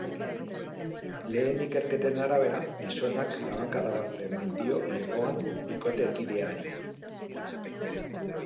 Lehen ikerketen arabera, gizonak labankada bat eman dio lepoan bikotekideari.